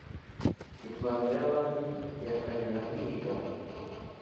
mvano ya bami ya kanyura nkiga